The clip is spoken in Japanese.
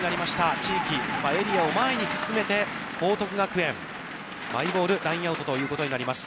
地域、エリアを前に進めて、報徳学園、マイボール、ラインアウトということになります。